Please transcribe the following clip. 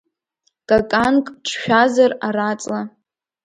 Каканк ҿшәазар араҵла?